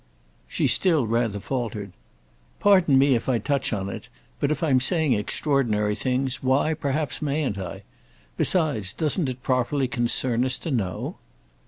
She still rather faltered. "Pardon me if I touch on it, but if I'm saying extraordinary things, why, perhaps, mayn't I? Besides, doesn't it properly concern us to know?"